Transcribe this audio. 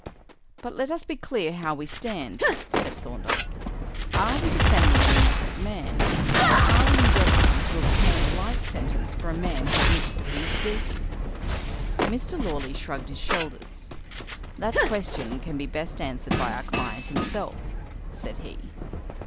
"But let us be clear how we stand," said Thorndyke. "Are we defending an innocent man or are we endeavouring to obtain a light sentence for a man who admits that he is guilty?" Mr. Lawley shrugged his shoulders. "That question can be best answered by our client himself," said he.